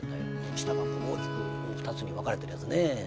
舌が大きく２つに分かれてるやつねＶの字に。